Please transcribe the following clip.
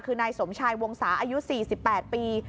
คือนายสมชายวงศาอายุ๔๘ปี